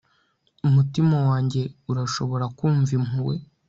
Umutima wanjye urashobora kumva impuhwe